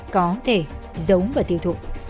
có thể giống và tiêu thụ